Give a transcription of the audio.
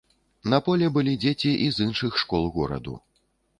На полі былі дзеці і з іншых школ гораду.